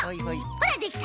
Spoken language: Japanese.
ほらできた！